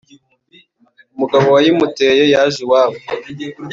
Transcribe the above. umugabo wayimuteye yaje iwabo